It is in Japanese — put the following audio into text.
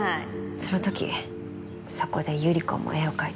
その時そこで百合子も絵を描いてて。